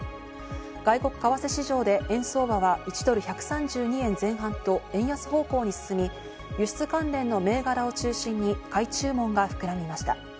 外国為替市場で円相場は１ドル＝１３２円前半と円安方向に進み、輸出関連の銘柄を中心に買い注文が膨らみました。